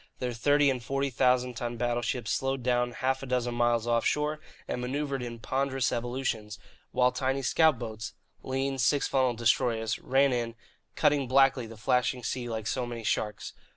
Their thirty and forty thousand ton battleships slowed down half a dozen miles offshore and manoeuvred in ponderous evolutions, while tiny scout boats (lean, six funnelled destroyers) ran in, cutting blackly the flashing sea like so many sharks.